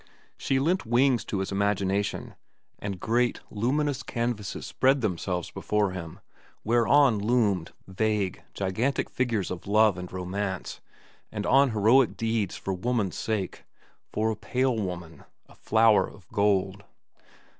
She lent wings to his imagination, and great, luminous canvases spread themselves before him whereon loomed vague, gigantic figures of love and romance, and of heroic deeds for woman's sake—for a pale woman, a flower of gold.